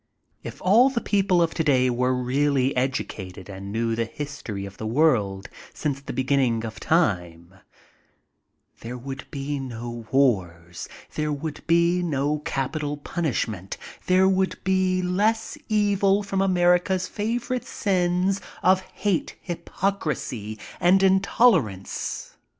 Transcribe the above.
If all the people of today were really educated and knew the history of the world since the beginning of time, there would be no wars, there would be no capital punishment, — there would be much less evil from America's favorite sins of hate, hsrpocrisy and intolerance.